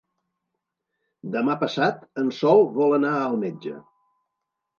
Demà passat en Sol vol anar al metge.